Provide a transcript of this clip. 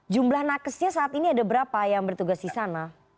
jumlah nakesnya saat ini ada berapa yang bertugas di sana